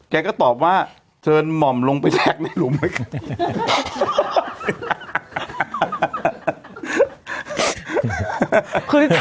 แกก็ตอบว่าเชิญหม่อมลงไปแตกในนุ่มกัน